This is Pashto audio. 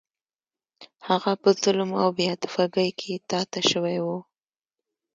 هغه په ظلم او بې عاطفګۍ کې تا ته شوی و.